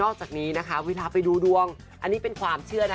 จากนี้นะคะเวลาไปดูดวงอันนี้เป็นความเชื่อนะ